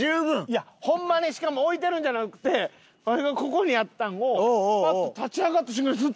いやホンマにしかも置いてるんじゃなくてわしがここにあったんをパッと立ち上がった瞬間にスッと入ってん。